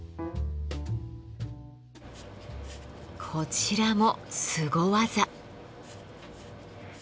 こちらもすご技。